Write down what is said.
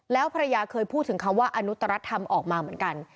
แล้วภรรยาเคยพูดถึงคำว่าอนุตรธรรมออกมาเหมือนกัน